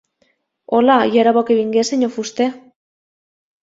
Hola, ja era bo que vingués, senyor fuster.